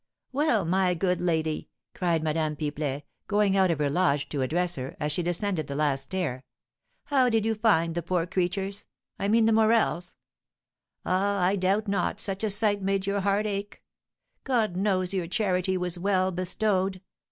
"Well, my good lady," cried Madame Pipelet, going out of her lodge to address her, as she descended the last stair, "how did you find the poor creatures, I mean the Morels? Ah, I doubt not, such a sight made your heart ache? God knows your charity was well bestowed!